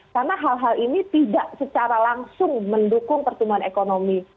karena hal hal ini tidak secara langsung mendukung pertumbuhan ekonomi